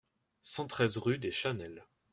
cent treize rue des Chanelles